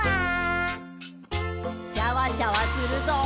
シャワシャワするぞ。